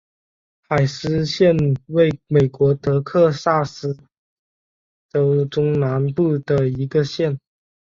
海斯县位美国德克萨斯州中南部的一个县。